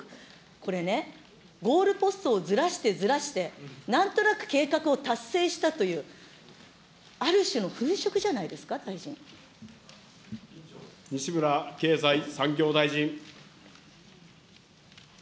これね、ゴールポストをずらしてずらして、なんとなく計画を達成したという、ある種の粉飾じゃないですか、大西村経済産業大臣。